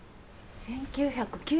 １９９９年。